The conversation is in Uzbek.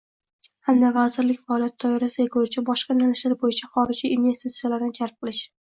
hamda vazirlik faoliyati doirasiga kiruvchi boshqa yo'nalishlar bo'yicha xorijiy investitsiyalarni jalb etish.